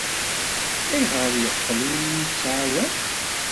Ayɣer ay yeqqel ur iyi-yettɛawan?